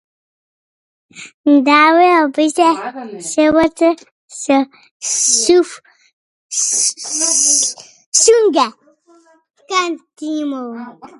Дамјан ја брише таблата со сув сунѓер.